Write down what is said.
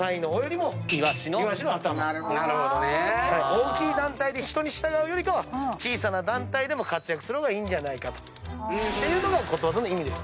大きい団体で人に従うよりかは小さな団体でも活躍する方がいいんじゃないかっていうのがことわざの意味。